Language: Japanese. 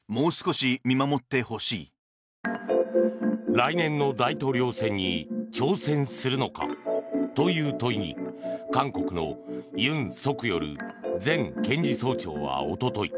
来年の大統領選に挑戦するのかという問いに韓国のユン・ソクヨル前検事総長はおととい